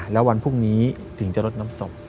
แล้ววันพรุ่งนี้ถึงจะรดน้ำศพ